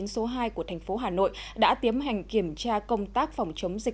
số hai của thành phố hà nội đã tiến hành kiểm tra công tác phòng chống dịch